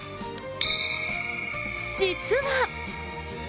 実は。